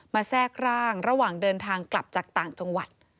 แทรกร่างระหว่างเดินทางกลับจากต่างจังหวัด